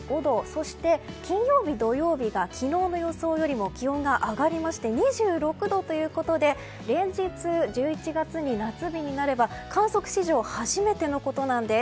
そして金曜日、土曜日が昨日の予想よりも気温が上がりまして２６度ということで連日、１１月に夏日になれば観測史上初めてのことなんです。